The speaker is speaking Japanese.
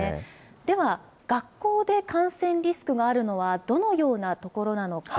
では、学校で感染リスクがあるのはどのようなところなのか。